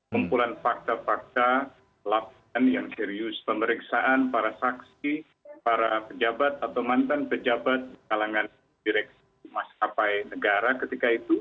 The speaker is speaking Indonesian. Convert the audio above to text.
kumpulan fakta fakta laporan yang serius pemeriksaan para saksi para pejabat atau mantan pejabat di kalangan direksi maskapai negara ketika itu